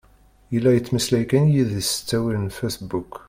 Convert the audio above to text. Yella yettmeslay kan d yid-s s ttawil n fasebbuk.